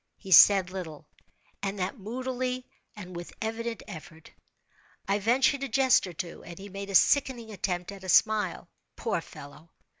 He said little, and that moodily, and with evident effort. I ventured a jest or two, and he made a sickening attempt at a smile. Poor fellow!